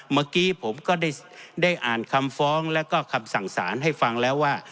เมื่อกี้ผมก็ได้อ่านคำฟ้องแล้วก็คำสั่งสารให้ฟังแล้วว่า